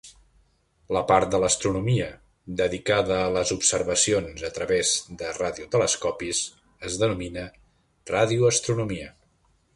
La part de l'astronomia dedicada a les observacions a través de radiotelescopis es denomina radioastronomia.